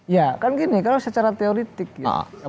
ya kan gini kalau secara teoretik gitu